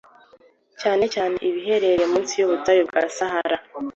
cyane cyane ibiherereye munsi y’ubutayu bwa Sahara